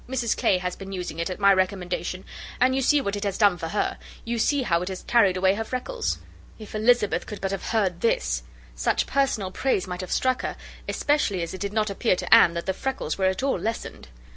Mrs Clay has been using it at my recommendation, and you see what it has done for her. You see how it has carried away her freckles." If Elizabeth could but have heard this! Such personal praise might have struck her, especially as it did not appear to Anne that the freckles were at all lessened.